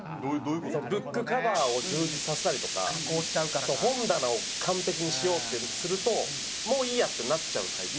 ブックカバーを充実させたりとか本棚を完璧にしようってするともういいやってなっちゃうタイプ。